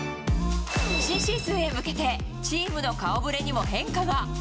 新シーズンへ向けて、チームの顔ぶれにも変化が。